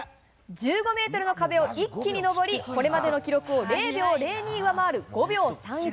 １５メートルの壁を一気にのぼり、これまでの記録を０秒０２上回る５秒３１。